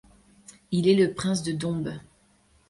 Il est le prince de Dombes.